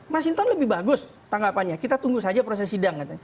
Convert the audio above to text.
mas inton lebih bagus tanggapannya kita tunggu saja proses sidang